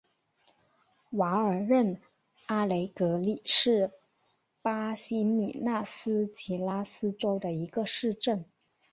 瓦尔任阿雷格里是巴西米纳斯吉拉斯州的一个市镇。